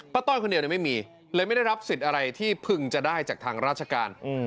ต้อยคนเดียวไม่มีเลยไม่ได้รับสิทธิ์อะไรที่พึงจะได้จากทางราชการ